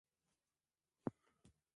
na gazeti mmoja kueleza imani yake